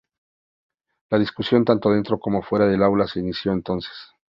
La discusión tanto dentro como fuera del aula se inició entonces.